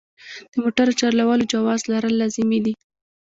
د موټر چلولو جواز لرل لازمي دي.